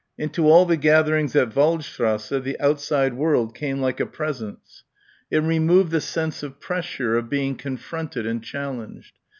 Into all the gatherings at Waldstrasse the outside world came like a presence. It removed the sense of pressure, of being confronted and challenged.